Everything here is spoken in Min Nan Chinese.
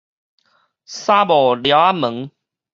捎無寮仔門